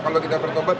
kalau tidak bertobat